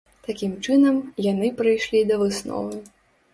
Такім чынам, яны прыйшлі да высновы.